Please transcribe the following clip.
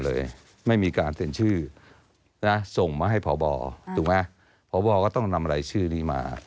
ไม่มีการเซ็นชื่อนะส่งมาให้พบถูกไหมพบก็ต้องนำรายชื่อนี้มา